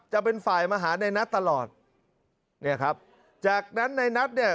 จะเป็นฝ่ายมาหาในนัทตลอดเนี่ยครับจากนั้นในนัทเนี่ย